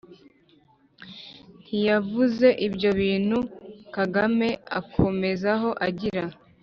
Ntiyavuze ibyo bintu kagame a akomozaho agira